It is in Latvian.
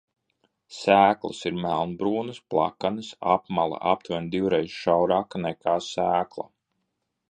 Sēklas ir melnbrūnas, plakanas, apmale aptuveni divreiz šaurāka nekā sēkla.